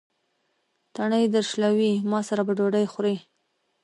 تڼۍ درشلوي: ما سره به ډوډۍ خورې.